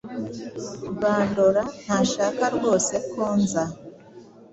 Bandora ntashaka rwose ko nza.